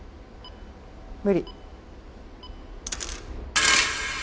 無理。